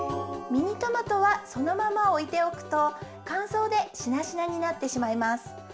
ミニトマトはそのままおいておくとかんそうでしなしなになってしまいます。